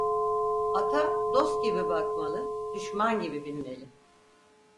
Ata dost gibi bakmalı, düşman gibi binmeli.